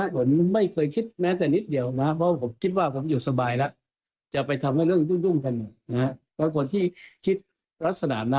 โดยในทิศทางของดันเมืองแบบไม่ค่อยจะทันสมัยนะ